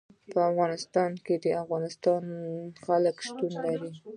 په افغانستان کې د افغانستان جلکو شتون لري.